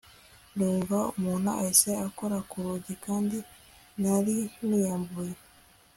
numva umuntu ahise akora ku rugi kandi nari niyambuye